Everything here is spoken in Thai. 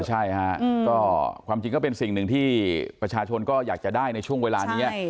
ใช่ฮะก็ความจริงก็เป็นสิ่งหนึ่งที่ประชาชนก็อยากจะได้ในช่วงเวลานี้